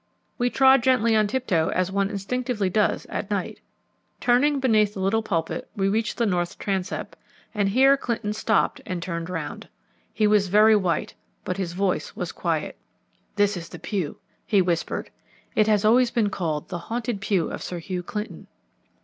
We trod gently on tiptoe as one instinctively does at night. Turning beneath the little pulpit we reached the north transept, and here Clinton stopped and turned round. He was very white, but his voice was quiet. "This is the pew," he whispered. "It has always been called the haunted pew of Sir Hugh Clinton."